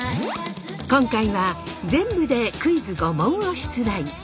今回は全部でクイズ５問を出題！